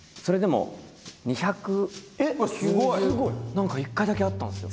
何か１回だけあったんですよ。